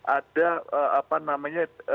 ada apa namanya